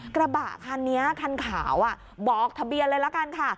กระบะคันนี้คันขาวบอกทะเบียนเลยละกันค่ะ